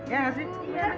iya gak sih